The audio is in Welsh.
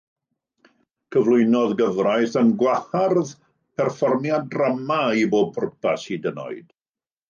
Cyflwynodd gyfraith yn gwahardd perfformiad drama i bob pwrpas hyd yn oed.